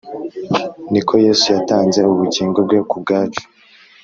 Niko yesu yatanze ubugingo bwe kubwacu